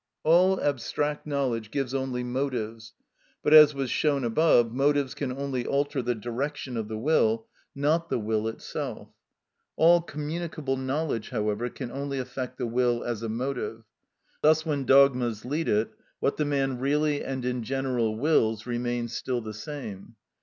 (80) All abstract knowledge gives only motives; but, as was shown above, motives can only alter the direction of the will, not the will itself. All communicable knowledge, however, can only affect the will as a motive. Thus when dogmas lead it, what the man really and in general wills remains still the same.